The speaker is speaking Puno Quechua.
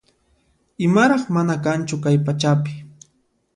Imaraq mana kanchu kay pachapi